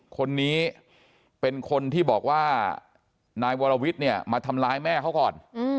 คนนี้เป็นคนที่บอกว่านายวรวิทย์เนี่ยมาทำร้ายแม่เขาก่อน